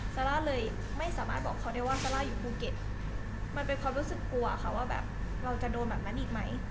ซาร่าเลยไม่สามารถบอกเขาได้ว่าซาร่าอยู่ภูเก็ตมันเป็นความรู้สึกกลัวค่ะว่าแบบเราจะโดนแบบนั้นอีกไหม